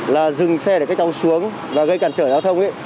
là dừng xe để các cháu xuống và gây cản trở giao thông